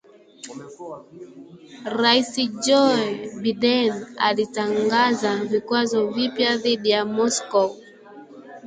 Rais Joe Biden alitangaza vikwazo vipya dhidi ya Moscow